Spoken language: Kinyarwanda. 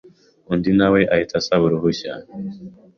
undi na we ahita asaba uruhushya